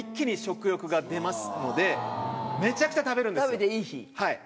食べていい日。